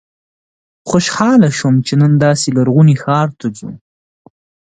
خوشاله شوم چې نن داسې لرغوني ښار ته ځو.